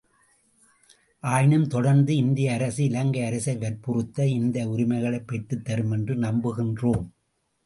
ஆயினும் தொடர்ந்து இந்திய அரசு இலங்கை அரசை வற்புறுத்தி இந்த உரிமைகளைப் பெற்றுத் தரும் என்று நம்புகின்றோம்.